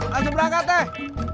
langsung berangkat teh